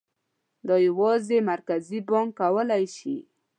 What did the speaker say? دا یوازې مرکزي بانک کولای شي.